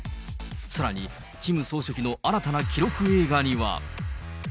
さらに、キム総書記の新たな記録映画には。